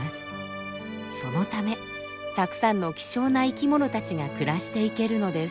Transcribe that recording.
そのためたくさんの希少な生きものたちが暮らしていけるのです。